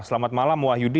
selamat malam wahyudi